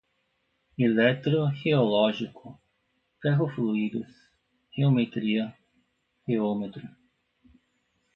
eletroreológico, ferrofluidos, reometria, reômetro